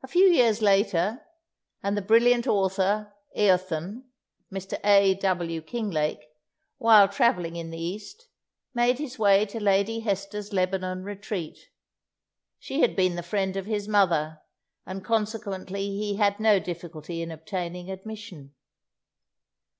A few years later, and the brilliant author "Eöthen," Mr. A. W. Kinglake, while travelling in the East, made his way to Lady Hester's Lebanon retreat. She had been the friend of his mother, and consequently he had no difficulty in obtaining admission.